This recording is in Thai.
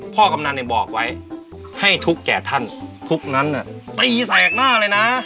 พ่อกำหนังเนี่ยบอกไว้ให้ทุกแก่ทันทุกนั้นน่ะตีแสกหน้าเลยนะ